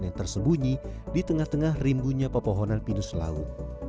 yang tersembunyi di tengah tengah rimbunya pepohonan pinus laut